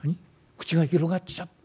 口が広がってさ。